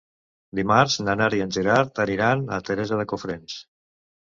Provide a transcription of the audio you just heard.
Dimarts na Nara i en Gerard aniran a Teresa de Cofrents.